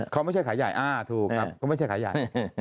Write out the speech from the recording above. เขาไม่ใช่ขายใหญ่ถูกครับก็ไม่ใช่ขายใหญ่